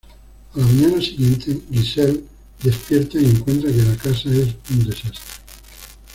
A la mañana siguiente Giselle despierta y encuentra que la casa es un desastre.